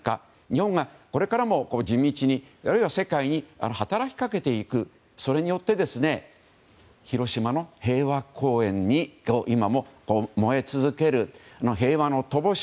日本がこれからも地道に世界に働きかけていくそれによって広島の平和公園で今も燃え続ける平和の灯。